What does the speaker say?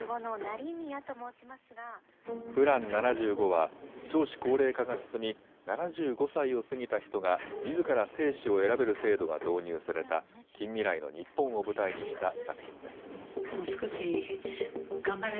７５は少子高齢化が進み７５歳を過ぎた人がみずから生死を選べる制度が導入された近未来の日本を舞台にした作品です。